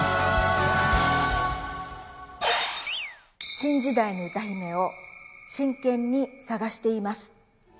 新時代の歌姫を真剣に探しています。